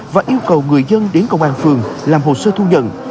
và yêu cầu người dân đến công an phường làm hồ sơ thu nhận